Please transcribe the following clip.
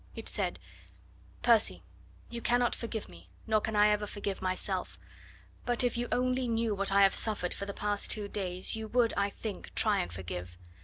It said: Percy, you cannot forgive me, nor can I ever forgive myself, but if you only knew what I have suffered for the past two days you would, I think, try and forgive.